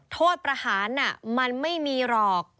โทษประหารมันไม่มีหรอก